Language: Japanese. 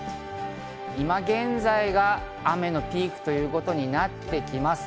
今現在が雨のピークということになってきます。